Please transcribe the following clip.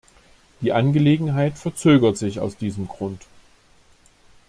Die Angelegenheit verzögert sich aus diesem Grund.